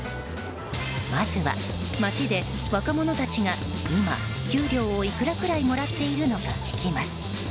まずは街で若者たちが今、給料をいくらくらいもらっているのか聞きます。